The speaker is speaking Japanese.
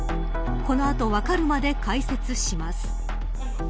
この後、わかるまで解説します。